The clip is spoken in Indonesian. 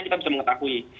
kita bisa mengetahui